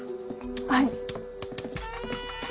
はい。